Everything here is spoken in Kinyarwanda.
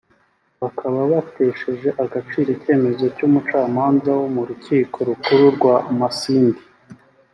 bakaba batesheje agaciro icyemezo cy’umucamanza wo mu Rukiko Rukuru rwa Masindi